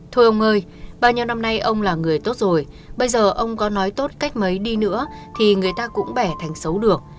thưa ông ơi bao nhiêu năm nay ông là người tốt rồi bây giờ ông có nói tốt cách mấy đi nữa thì người ta cũng bẻ thành xấu được